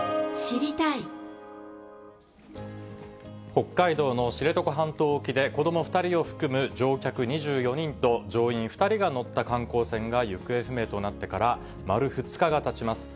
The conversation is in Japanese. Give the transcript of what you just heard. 北海道の知床半島沖で、子ども２人を含む乗客２４人と乗員２人が乗った観光船が行方不明となってから、丸２日がたちます。